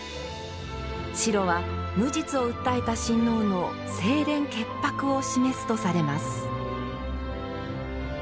白は無実を訴えた親王の清廉潔白を示すとされます。